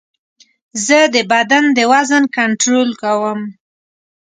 زه د بدن د وزن کنټرول کوم.